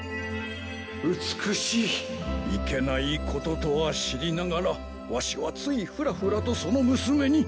美しいいけないこととは知りながらわしはついフラフラとその娘に。